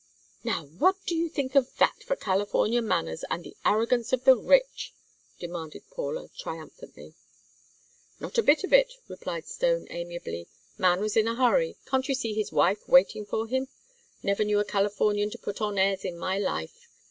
"Now, what do you think of that for California manners, and the arrogance of the rich?" demanded Paula, triumphantly. "Not a bit of it," replied Stone, amiably. "Man was in a hurry. Can't you see his wife waiting for him? Never knew a Californian to put on airs in my life."